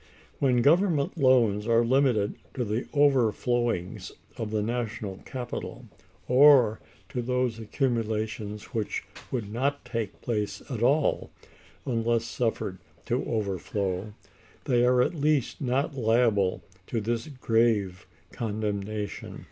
(356) When government loans are limited to the overflowings of the national capital, or to those accumulations which would not take place at all unless suffered to overflow, they are at least not liable to this grave condemnation.